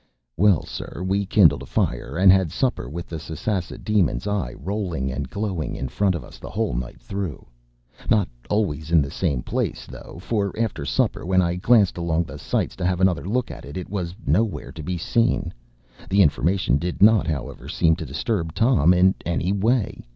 ” Well, sir, we kindled a fire, and had supper with the Sasassa demon’s eye rolling and glowing in front of us the whole night through. Not always in the same place, though; for after supper, when I glanced along the sights to have another look at it, it was nowhere to be seen. The information did not, however, seem to disturb Tom in any way.